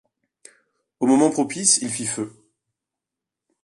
Au moment propice, il fit feu.